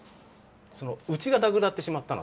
そのうちがなくなってしまったので。